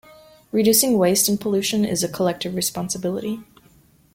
Reducing waste and pollution is a collective responsibility.